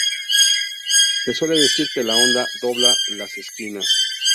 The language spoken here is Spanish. Se suele decir que la onda "dobla" las esquinas.